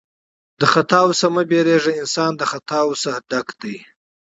له تېروتنو څخه مه بېرېږه! انسان له تېروتنو څخه ډګ دئ.